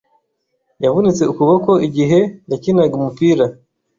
Yavunitse ukuboko igihe yakinaga umupira.